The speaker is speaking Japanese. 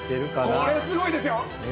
これすごいですよ。